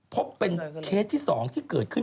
พบเป็นเคสที่๒ที่เกิดขึ้น